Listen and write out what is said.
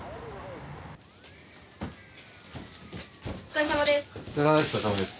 お疲れさまです。